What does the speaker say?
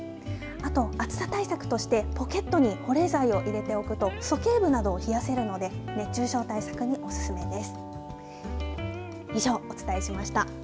あと、暑さ対策としてポケットに保冷剤を入れておくとそけい部などを冷やせるので熱中症対策におすすめです。